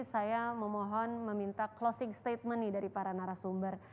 saya memohon meminta closing statement nih dari para narasumber